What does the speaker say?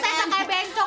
saya sakai bengcok